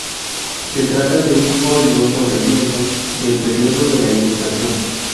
Se trata de un óleo sobre lienzo del periodo de la Ilustración.